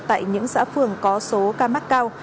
tại những xã phường có số ca mắc cao